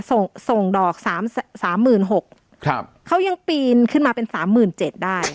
ส่งส่งดอกสามสามหมื่นหกครับเขายังปีนขึ้นมาเป็นสามหมื่นเจ็ดได้